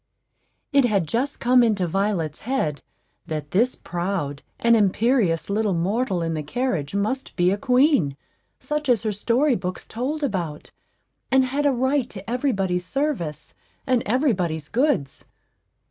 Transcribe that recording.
It had just come into Violet's head that this proud and imperious little mortal in the carriage must be a queen, such as her story books told about, and had a right to every body's service and every body's goods.